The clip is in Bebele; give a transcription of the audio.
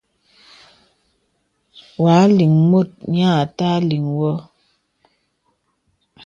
Wa lìŋ mùt nyə àtà liŋ wɨ.